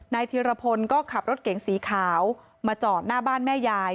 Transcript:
ธิรพลก็ขับรถเก๋งสีขาวมาจอดหน้าบ้านแม่ยาย